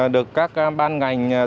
được các ban ngành tuyên trưởng